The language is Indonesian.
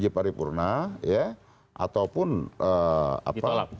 di paripurna ya ataupun apa